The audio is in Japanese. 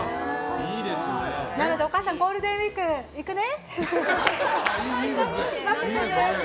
なので、お母さんゴールデンウィーク行くね！